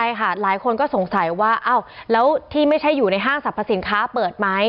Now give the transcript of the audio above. ใช่ค่ะหลายคนก็สงสัยว่าอ้าวแล้วที่ไม่ใช่อยู่ในห้างสรรพสินค้าเปิดไหม